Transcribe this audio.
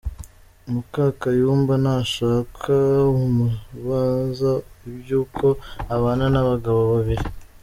Mukakayumba ntashaka umubaza iby’uko abana n’abagabo babiri.